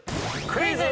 クイズ！